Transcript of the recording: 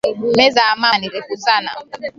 Meza ya mama ni refu sana